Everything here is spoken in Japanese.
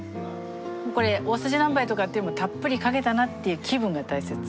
これ大さじ何杯とかってよりもたっぷりかけたなっていう気分が大切。